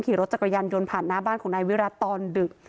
ขี่รถจักรยานยนต์ผ่านหน้าบ้านของนายวิรัติตอนดึก